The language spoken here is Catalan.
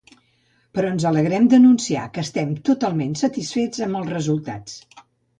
Però ens alegrem d'anunciar que estem totalment satisfets amb els resultats.